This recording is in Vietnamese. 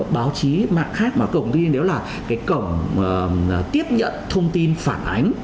báo chí mạng khác mà cổng tin nếu là cái cổng tiếp nhận thông tin phản ánh